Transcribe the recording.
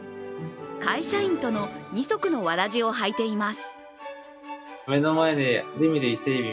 会社員との二足のわらじを履いています。